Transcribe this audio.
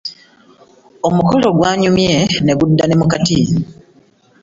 Omukolo gunyumye ne gudda ne mu kati.